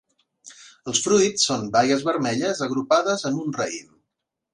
Els fruits són baies vermelles agrupades en un raïm.